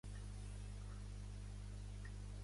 Fou sentenciat a sis mesos dins presó.